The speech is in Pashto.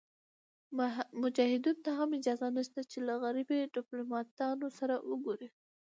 مجاهدینو ته هم اجازه نشته چې له غربي دیپلوماتانو سره وګوري.